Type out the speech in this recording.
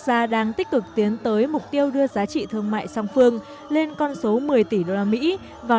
gia đang tích cực tiến tới mục tiêu đưa giá trị thương mại song phương lên con số một mươi tỷ usd vào